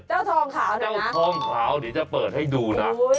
เจ้าทองขาวเนี่ยนะเจ้าทองขาวนี่จะเปิดให้ดูนะ